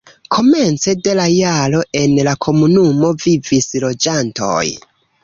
Komence de la jaro en la komunumo vivis loĝantoj.